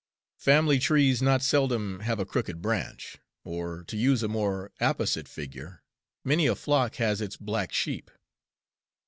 Family trees not seldom have a crooked branch; or, to use a more apposite figure, many a flock has its black sheep.